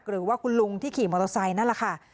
หรือว่าคุณลุงที่ขี่มอเตอร์ไซค์นั่นแหละค่ะ